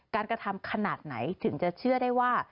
กระทำขนาดไหนถึงจะเชื่อได้ว่า